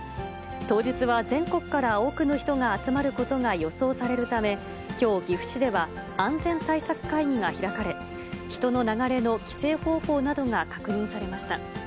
当日は全国から多くの人が集まることが予想されるため、きょう、岐阜市では安全対策会議が開かれ、人の流れの規制方法などが確認されました。